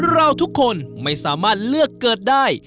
เราทุกคนไม่สามารถเลือกเกิดได้